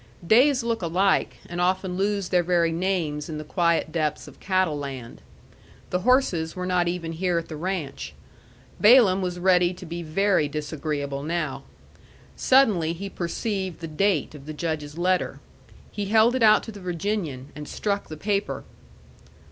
Days look alike, and often lose their very names in the quiet depths of Cattle Land. The horses were not even here at the ranch. Balaam was ready to be very disagreeable now. Suddenly he perceived the date of the Judge's letter. He held it out to the Virginian, and struck the paper.